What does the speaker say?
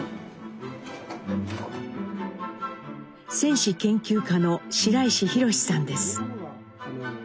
戦史研究家の白石博司さんです。